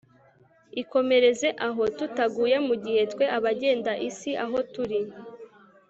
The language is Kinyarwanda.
ikomereze aho, tutaguye, mugihe twe abagenda isi aho turi